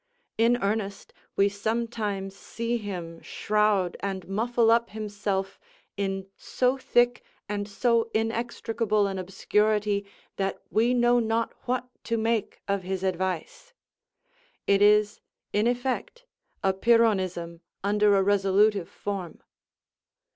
In earnest, we sometimes see him shroud and muffle up himself in so thick and so inextricable an obscurity that we know not what to make of his advice; it is, in effect, a Pyrrhonism under a resolutive form.